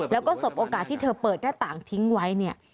แล้วก็สบโอกาสที่เธอเปิดหน้าต่างทิ้งไว้เนี่ย